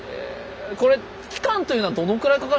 これ期間というのはどのくらいかかるんですか？